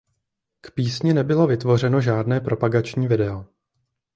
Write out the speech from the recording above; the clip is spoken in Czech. K písni nebylo vytvořeno žádné propagační video.